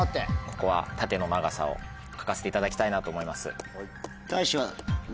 ここは。を書かせていただきたいなと思います。